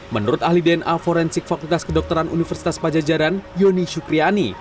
menurut ahli dna forensik fakultas kedokteran universitas pajajaran yoni supriyani